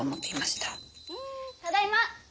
ただいま！